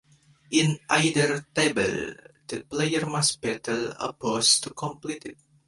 In either table, the player must battle a boss to complete it.